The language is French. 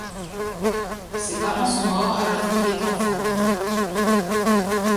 Ses parents sont morts alors qu'il est enfant.